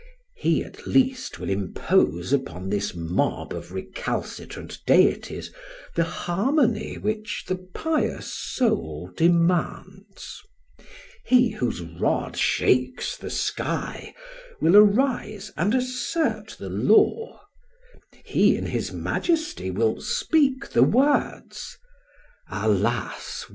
He, at least, will impose upon this mob of recalcitrant deities the harmony which the pious soul demands. He, whose rod shakes the sky, will arise and assert the law. He, in his majesty, will speak the words alas!